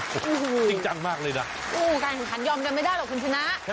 จริงจังมากเลยนะการขนยอมจะไม่ได้หรอกคุณชนะ